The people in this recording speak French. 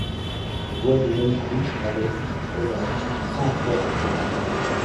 Je vois, du même coup, à l'est, au nord, cent forges ruinées.